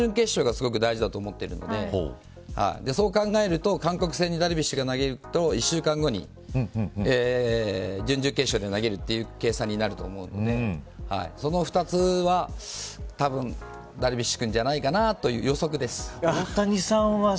どこで投げるかということを考えると僕は第１戦と準々決勝がすごく大事だと思っているのでそう考えると韓国戦にダルビッシュが投げると１週間後に準々決勝で投げるという計算になると思うのでその２つは、たぶんダルビッシュ君じゃないかなという予測です。